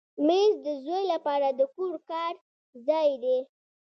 مېز د زوی لپاره د کور کار ځای دی.